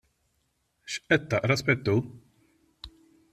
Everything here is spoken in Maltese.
X'qed taqra, Spettur?